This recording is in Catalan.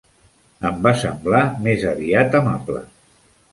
Em va semblar més aviat amable.